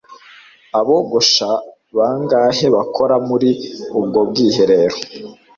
Abogosha bangahe bakora muri ubwo bwiherero?